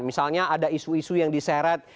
misalnya ada isu isu yang diseret